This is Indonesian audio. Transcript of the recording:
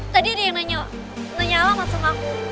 tadi ada yang nanya alamat sama aku